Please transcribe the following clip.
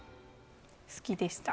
好きでした。